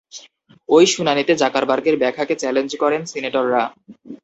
ওই শুনানিতে জাকারবার্গের ব্যাখ্যাকে চ্যালেঞ্জ করেন সিনেটররা।